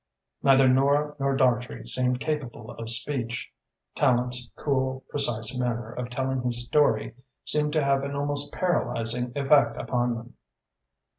Neither Nora nor Dartrey seemed capable of speech. Tallente's cool, precise manner of telling his story seemed to have an almost paralysing effect upon them.